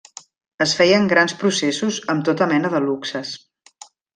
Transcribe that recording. Es feien grans processos amb tota mena de luxes.